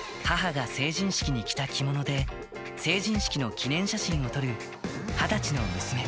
母が成人式に着た着物で、成人式の記念写真を撮る２０歳の娘。